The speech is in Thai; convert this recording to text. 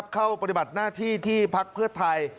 ปฏิบัติหน้าที่ที่พักเพื่อไทย